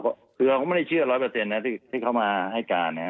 คือเราก็ไม่ได้เชื่อร้อยเปอร์เซ็นนะที่เขามาให้การนะฮะ